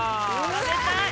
食べたい！